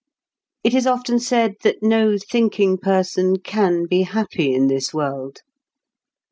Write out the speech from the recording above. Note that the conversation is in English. It is often said that no thinking person can be happy in this world.